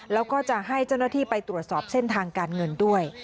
แล้วก็จะให้เจ้าหน้าที่ไปตรวจสอบเส้นทางการเงินด้วย